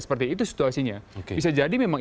seperti itu situasinya bisa jadi memang